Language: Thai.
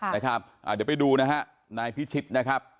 เดี๋ยวไปดูนะฮะนายพิชิตนะครับ